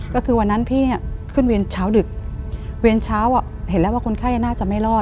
ก็คือวันนั้นพี่เนี่ยขึ้นเวรเช้าดึกเวียนเช้าเห็นแล้วว่าคนไข้น่าจะไม่รอด